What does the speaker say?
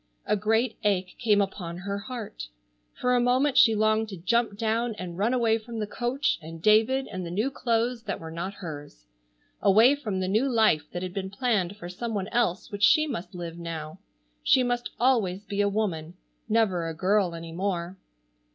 A great ache came upon her heart. For a moment she longed to jump down and run away from the coach and David and the new clothes that were not hers. Away from the new life that had been planned for some one else which she must live now. She must always be a woman, never a girl any more.